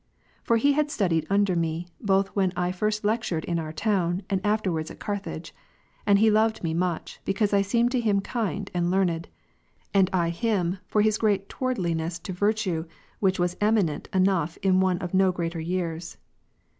For he had studied under me, both when I first lectured in our town, and after wards at Carthage, and he loved me much, because I seemed to him kind, and learned ; and I him, for his great toward liness to virtue, which was eminent enough in one of no greater years.